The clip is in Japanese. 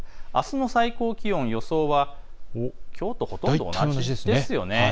あすの最高気温、予想はきょうと大体同じですね。